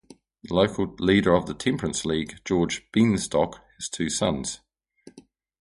The local leader of the temperance league, George Beenstock, has two sons.